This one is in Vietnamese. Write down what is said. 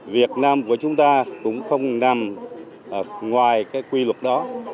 việt nam của chúng ta cũng không nằm ngoài cái quy luật đó